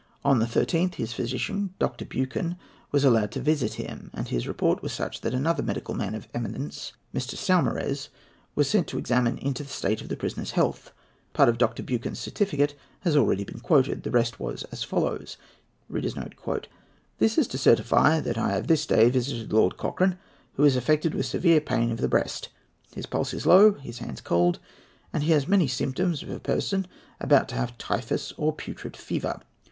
On the 13th, his physician, Dr. Buchan, was allowed to visit him, and his report was such that another medical man of eminence, Mr. Saumarez, was sent to examine into the state of the prisoner's health. Part of Dr. Buchan's certificate has already been quoted. The rest was as follows: "This is to certify that I have this day visited Lord Cochrane, who is affected with severe pain of the breast. His pulse is low, his hands cold, and he has many symptoms of a person about to have typhus or putrid fever.